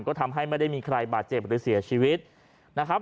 ก็ทำให้ไม่ได้มีใครบาดเจ็บหรือเสียชีวิตนะครับ